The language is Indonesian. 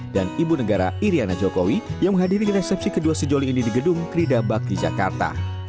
dan ibu negara iryana jokowi yang menghadiri resepsi kedua sejoli ini di gedung kridabak di jakarta